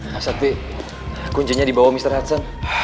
mas sakti kuncinya di bawah mr hudson